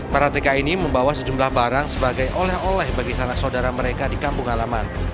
para tki ini membawa sejumlah barang sebagai oleh oleh bagi sanak saudara mereka di kampung halaman